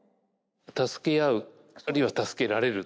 助け合うあるいは助けられる。